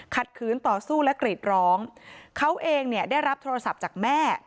ขืนต่อสู้และกรีดร้องเขาเองเนี่ยได้รับโทรศัพท์จากแม่